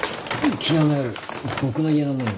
昨日の夜僕の家の前に。